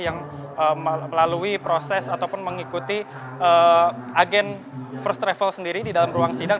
yang melalui proses ataupun mengikuti agen first travel sendiri di dalam ruang sidang